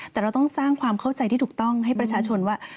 แต่เราต้องสร้างความเข้าใจที่ถูกต้องให้ประชาชนว่า